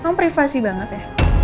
emang privasi banget ya